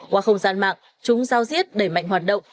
qua không gian mạng chúng giao diết đẩy mạnh hoạt động